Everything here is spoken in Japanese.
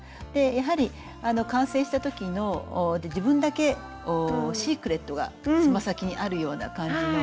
やはり完成した時の自分だけシークレットがつま先にあるような感じの。